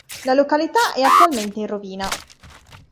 La località è attualmente in rovina.